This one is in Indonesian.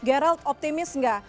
geralt optimis enggak